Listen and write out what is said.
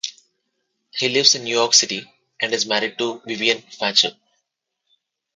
He lives in New York City and is married to Vivian Fancher.